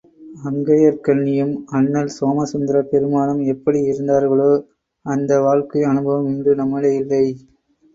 அங்கயற்கண்ணியும் அண்ணல் சோமசுந்தரப் பெருமானும் எப்படி இருந்தார்களோ அந்த வாழ்க்கை அனுபவம் இன்று நம்மிடை இல்லை.